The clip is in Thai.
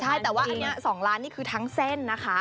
ใช่แต่ว่าอันนี้๒ล้านนี่คือทั้งเส้นนะคะ